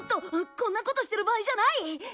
こんなことしてる場合じゃない！